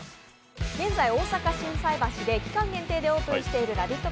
現在大阪・心斎橋で期間限定でオープンしているラヴィット！